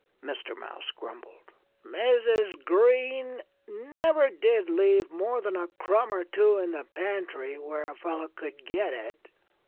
Mr. Mouse grumbled. "Mrs. Green never did leave more than a crumb or two in the pantry where a fellow could get it.